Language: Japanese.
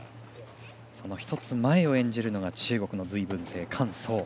その１つ前を演じるのが中国の隋文静、韓聡。